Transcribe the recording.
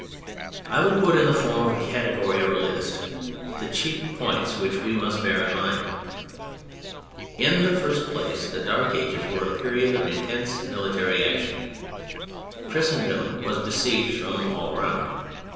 I will put in the form of a category or list the chief points which we must bear in mind. In the first place the Dark Ages were a period of intense military action. Christendom was besieged from all around.